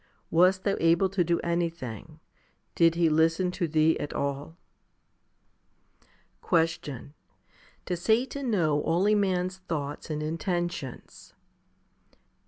Wast thou able to do anything ? Did he listen to thee at all ?" 9. Question. Does Satan know all a man's thoughts and intentions